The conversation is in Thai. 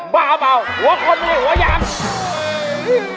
บ้าเปล่าหัวคนมีหัวหยัง